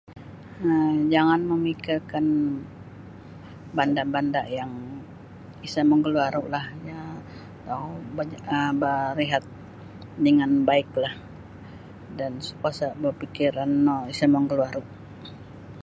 um jangan mamikirkan banda'-banda' yang isa' magaluaru'lah um ba barihat dengan baiklah dan isa kuasa' bafikiran no samagaluaru'